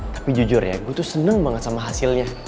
tapi jujur ya gue tuh seneng banget sama hasilnya